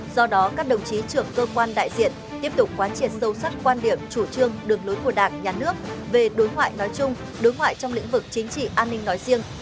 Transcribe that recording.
do đó các đồng chí trưởng cơ quan đại diện tiếp tục quan triệt sâu sắc quan điểm chủ trương đường lối của đảng nhà nước về đối ngoại nói chung đối ngoại trong lĩnh vực chính trị an ninh nói riêng